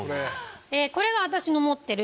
これが私の持ってる。